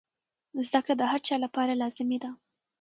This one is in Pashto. زده کړه د هر چا لپاره لازمي ده.